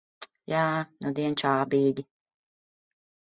Jā, nudien čābīgi.